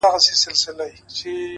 گراني دا هيله كوم؛